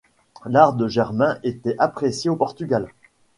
L'art de Germain était apprécié au Portugal.